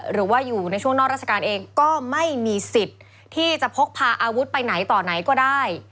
หรือว่าอยู่ในช่วงนอกราชการเองก็ไม่มีสิทธิ์ที่จะพกพาอาวุธไปไหนต่อไหนก็ได้